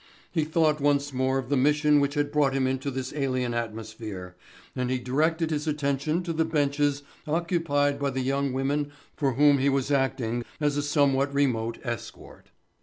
He thought once more of the mission which had brought him into this alien atmosphere and he directed his attention to the benches occupied by the young women for whom he was acting as a somewhat remote escort.